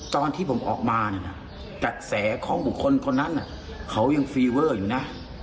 ตอนที่ผมออกมากระแสของบุคคลคนนั้นเขายังฟีเวอร์อยู่นะ